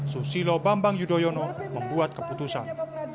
susilo bambang yudhoyono membuat keputusan